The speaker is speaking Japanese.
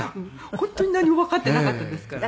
本当に何もわかってなかったですから。